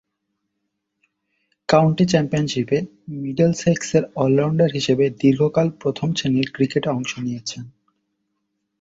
County চ্যাম্পিয়নশীপে মিডলসেক্সের all rounder হিসেবে দীর্ঘকাল প্রথম-শ্রেণীর ক্রিকেটে অংশ নিয়েছেন।